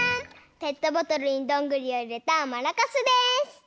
ペットボトルにどんぐりをいれたマラカスです！